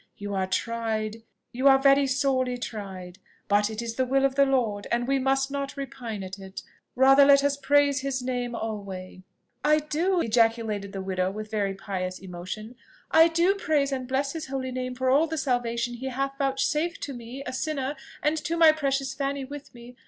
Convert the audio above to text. you are tried, you are very sorely tried. But it is the will of the Lord, and we must not repine at it: rather let us praise his name alway!" "I do!" ejaculated the widow with very pious emotion; "I do praise and bless his holy name for all the salvation he hath vouchsafed to me, a sinner and to my precious Fanny with me.